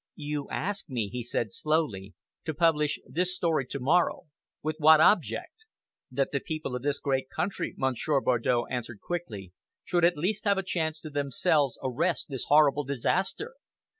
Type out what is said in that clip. "You ask me," he said slowly, "to publish this story to morrow. With what object?" "That the people of this great country," Monsieur Bardow answered quickly, "should at least have a chance to themselves arrest this horrible disaster.